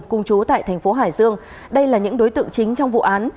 cùng chú tại thành phố hải dương đây là những đối tượng chính trong vụ án